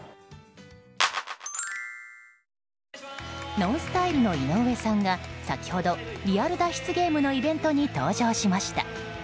ＮＯＮＳＴＹＬＥの井上さんが先ほどリアル脱出ゲームのイベントに登場しました。